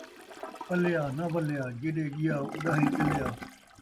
پلیا ناں ولیا، جیݙے ڳیا اݙانہیں ڳلیا